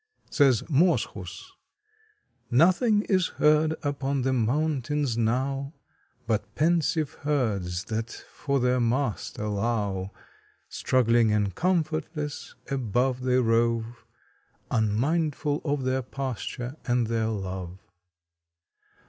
Says Moschus: Nothing is heard upon the mountains now But pensive herds that for their master low, Struggling and comfortless about they rove, Unmindful of their pasture and their love.